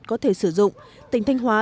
có thể sử dụng tỉnh thanh hóa